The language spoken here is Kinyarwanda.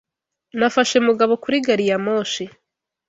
Nafashe Mugabo kuri gariyamoshi.